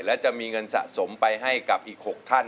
และจะมีเงินสะสมไปให้กับอีก๖ท่าน